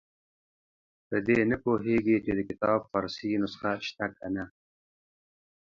په دې نه پوهېږي چې د کتاب فارسي نسخه شته که نه.